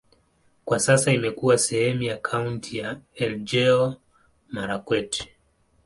Kwa sasa imekuwa sehemu ya kaunti ya Elgeyo-Marakwet.